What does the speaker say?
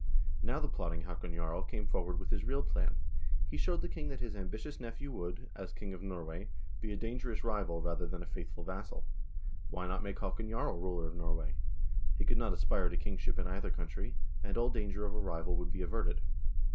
Now the plotting Haakon Jarl came forward with his real plan. He showed the king that his ambitious nephew would, as king of Norway, be a dangerous rival rather than a faithful vassal ; why not make Haakon Jarl ruler of Norway ? He could not aspire to kingship in either country, and all danger of a rival would be averted.